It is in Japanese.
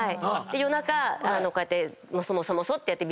で夜中こうやってもそもそもそってやって。